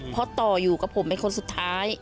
เพราะต่ออยู่กับผมเป็นคนสุดท้าย